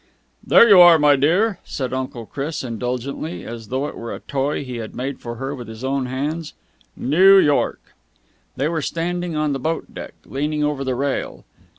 "There you are, my dear?" said Uncle Chris indulgently, as though it were a toy he had made for her with his own hands. "New York!" They were standing on the boat deck, leaning over the rail.